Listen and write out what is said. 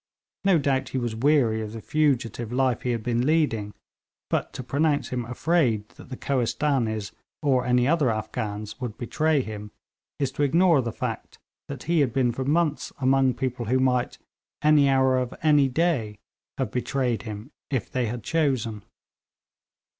No doubt he was weary of the fugitive life he had been leading, but to pronounce him afraid that the Kohistanees or any other Afghans would betray him is to ignore the fact that he had been for months among people who might, any hour of any day, have betrayed him if they had chosen.